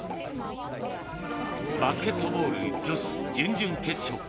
バスケットボール女子準々決勝。